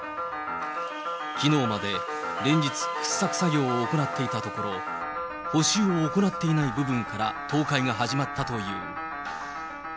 きのうまで連日、掘削作業を行っていたところ、補修を行っていない部分から倒壊が始まったという。